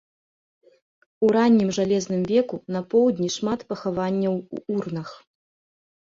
У раннім жалезным веку на поўдні шмат пахаванняў у урнах.